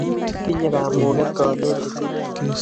tinye kamuket konetik